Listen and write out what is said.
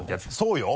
そうよ。